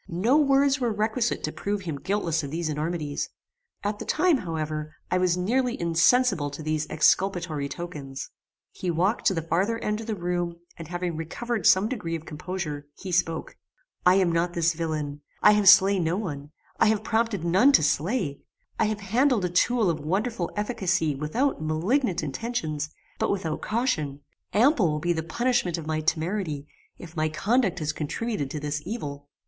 No words were requisite to prove him guiltless of these enormities: at the time, however, I was nearly insensible to these exculpatory tokens. He walked to the farther end of the room, and having recovered some degree of composure, he spoke "I am not this villain; I have slain no one; I have prompted none to slay; I have handled a tool of wonderful efficacy without malignant intentions, but without caution; ample will be the punishment of my temerity, if my conduct has contributed to this evil."